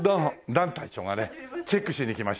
ダン隊長がねチェックしに来ました。